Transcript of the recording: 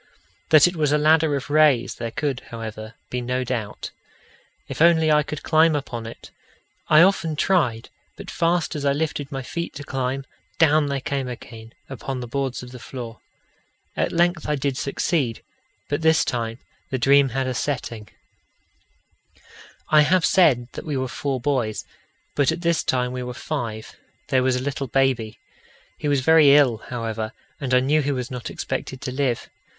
That it was a ladder of rays there could, however, be no doubt: if only I could climb upon it! I often tried, but fast as I lifted my feet to climb, down they came again upon the boards of the floor. At length I did succeed, but this time the dream had a setting. I have said that we were four boys; but at this time we were five there was a little baby. He was very ill, however, and I knew he was not expected to live.